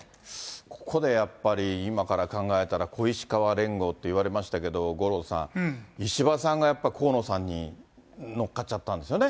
ここでやっぱり、今から考えたら、小石河連合っていわれましたけれども、五郎さん、石破さんがやっぱ河野さんに乗っかっちゃったんですよね。